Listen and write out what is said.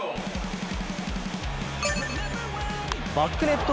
バックネット